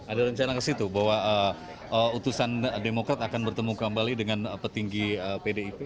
ada rencana ke situ bahwa utusan demokrat akan bertemu kembali dengan petinggi pdip